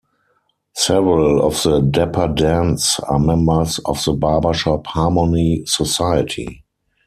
Several of the Dapper Dans are members of the Barbershop Harmony Society.